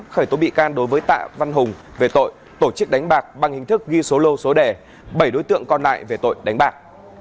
khởi tố bị can đối với tạ văn hùng về tội tổ chức đánh bạc bằng hình thức ghi số lô số đẻ bảy đối tượng còn lại về tội đánh bạc